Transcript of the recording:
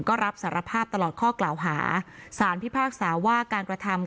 ก็รับสารภาพตลอดข้อกล่าวหาสารพิพากษาว่าการกระทำ